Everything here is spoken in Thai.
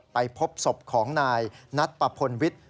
ไปพบศพของนายนัตรปภนวิท